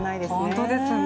本当ですね。